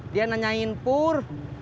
dia nanyain pur